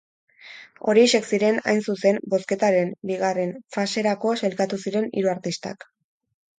Horiexek ziren, hain zuzen, bozketaren bigaren faserako sailkatu ziren hiru artistak.